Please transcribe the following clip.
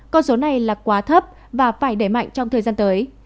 con số này là quá thấp và phải đẩy mạnh trong thời gian tới